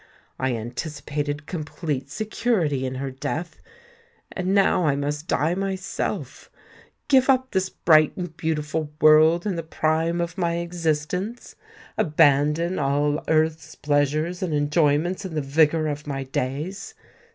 I anticipated complete security in her death. And now I must die myself,—give up this bright and beautiful world in the prime of my existence,—abandon all earth's pleasures and enjoyments in the vigour of my days!